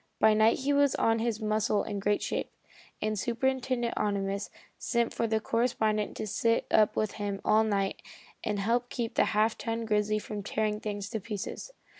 By night he was on his muscle in great shape, and Superintendent Ohnimus sent for the correspondent to sit up with him all night and help keep the half ton grizzly from tearing things to pieces.